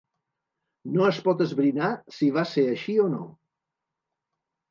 No es pot esbrinar si va ser així o no.